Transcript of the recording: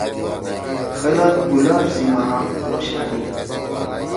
خلگ گلاب سی مہاک خوشادی۔